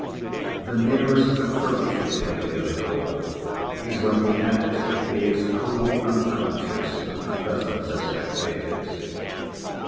The nearest approach to it, we are told, is, when the actor appears wholly unconscious of the presence of spectators.